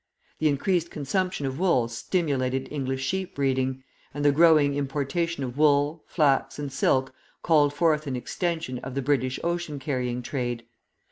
The increased consumption of wool stimulated English sheep breeding, and the growing importation of wool, flax, and silk called forth an extension of the British ocean carrying trade.